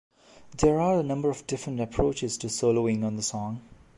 There are a number of different approaches to soloing on the song.